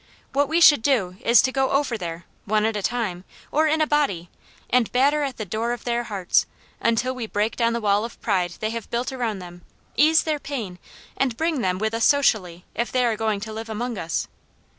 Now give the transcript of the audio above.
What we should do, is to go over there, one at a time, or in a body, and batter at the door of their hearts, until we break down the wall of pride they have built around them, ease their pain, and bring them with us socially, if they are going to live among us.